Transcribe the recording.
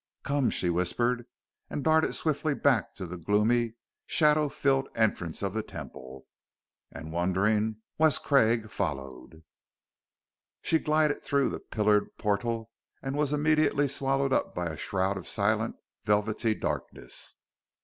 "Come!" she whispered, and darted swiftly back to the gloomy, shadow filled entrance of the Temple. And wondering, Wes Craig followed. She glided through the pillared portal and was immediately swallowed up by a shroud of silent, velvety darkness.